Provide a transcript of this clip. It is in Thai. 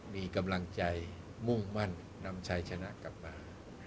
มีกำลังใจมุ่งมั่นนำชัยชนะกลับมา